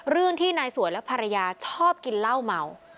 เรื่องที่นายสวยและภรรยาชอบกินเหล้าเมา